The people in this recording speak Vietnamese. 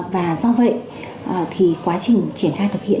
và do vậy thì quá trình triển khai thực hiện